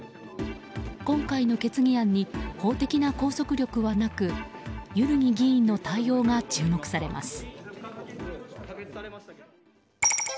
今回の決議案に法的な拘束力はなく万木議員の対応が注目されます。